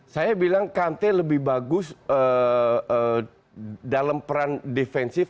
saya bilang kante lebih bagus dalam peran defensif